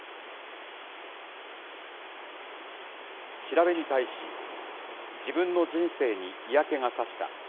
調べに対し、自分の人生に嫌気が差した。